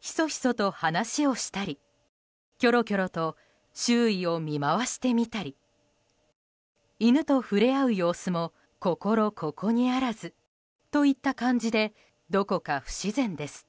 ひそひそと話をしたりキョロキョロと周囲を見回してみたり犬と触れ合う様子も心ここにあらずといった感じでどこか不自然です。